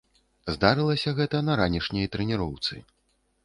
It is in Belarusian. Здарылася гэта на ранішняй трэніроўцы.